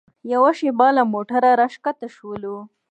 یوه شېبه له موټره راښکته شولو.